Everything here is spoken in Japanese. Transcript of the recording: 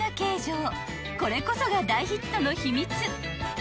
［これこそが大ヒットの秘密］